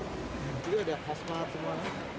ini ada kosmat semua